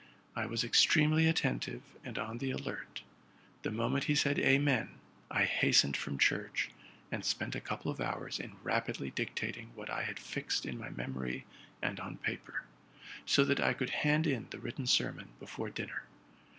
I was extremely attentive and on the alert: the moment he said RELATING TO MY LIFE. 119 Amen, I hastened from church, and spent a couple of hours in rapidly dictating what I had fixed in my memory and on paper, so that I could hand in the written sermon before dinner.